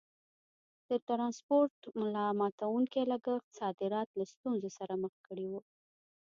د ټرانسپورټ ملا ماتوونکي لګښت صادرات له ستونزو سره مخ کړي وو.